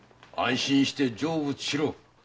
安心して成仏しろ。